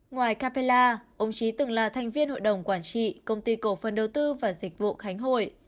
ngoài capella ông trí từng là thành viên hội đồng quản trị công ty cổ phần đầu tư và dịch vụ khánh hội